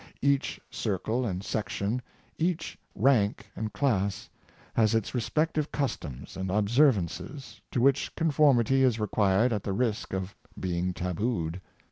Each circle and section, each rank and class, has its respective customs and obser vances, to which conformity is required at the risk of being tabooed.